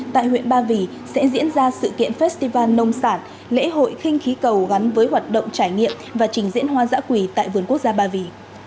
tại huyện ba vì sẽ diễn ra sự kiện festival nông sản lễ hội khinh khí cầu gắn với hoạt động trải nghiệm và trình diễn hoa giã quỳ tại vườn quốc gia ba vì